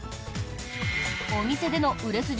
お店での売れ筋